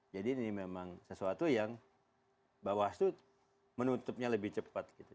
jadi ini memang sesuatu yang bahwa itu menutupnya lebih cepat gitu